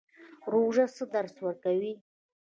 روژه څه درس ورکوي؟